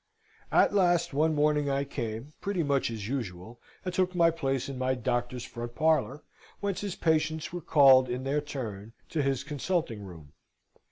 At last one morning I came, pretty much as usual, and took my place in my doctor's front parlour, whence his patients were called in their turn to his consulting room.